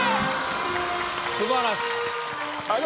すばらしい。